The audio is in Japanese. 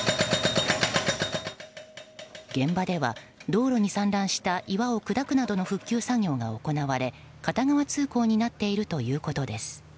現場では道路に散乱した岩を砕くなどの復旧作業が行われ片側通行になっているということです。